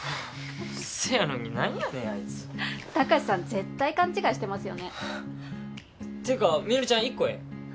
せやのに何やねんあいつタカシさん絶対勘違いしてますよねっていうかみのりちゃん１個ええ？